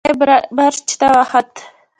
سړی برج ته وخوت.